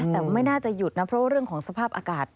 แต่ว่าไม่น่าจะหยุดนะเพราะว่าเรื่องของสภาพอากาศ